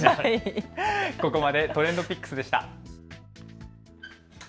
ここまでＴｒｅｎｄＰｉｃｋｓでした。